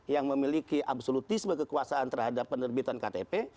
yang memiliki absolutisme kekuasaan terhadap penerbitan ktp